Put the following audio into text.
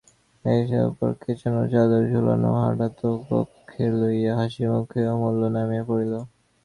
দুই স্কন্ধের উপর কোঁচানো চাদর ঝুলাইয়া ছাতাটি কক্ষে লইয়া হাস্যমুখে অমূল্য নামিয়া পড়িল।